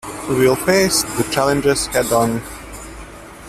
We will face the challenges head-on.